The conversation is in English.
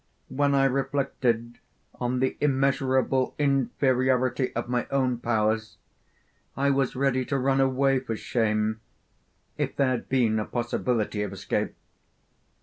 When I reflected on the immeasurable inferiority of my own powers, I was ready to run away for shame, if there had been a possibility of escape.